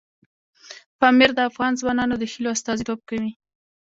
پامیر د افغان ځوانانو د هیلو استازیتوب کوي.